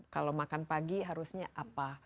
kalau makan pagi harusnya apa